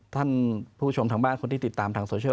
ท่านผู้ชมทางบ้านคนที่ติดตามทางโซเชียล